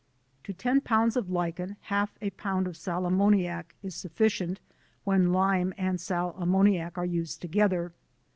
To 10 lbs. lichen half a pound sal ammoniac is sufficient when lime and sal ammoniac are used together.